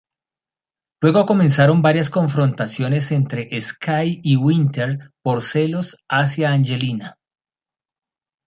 Luego comenzaron varias confrontaciones entre Sky y Winter por celos hacia Angelina.